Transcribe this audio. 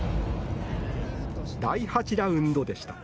第８ラウンドでした。